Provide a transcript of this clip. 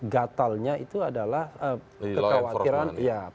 gatalnya itu adalah kekhawatiran